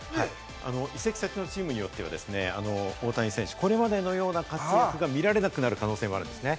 移籍先のチームによっては大谷選手、これまでのような活躍が見られなくなる可能性があるんですね。